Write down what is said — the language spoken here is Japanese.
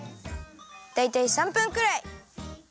だいたい３分くらい！